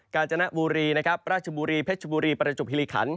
กาญจนบุรีประชบุรีเพชบุรีประจบฮิริขัน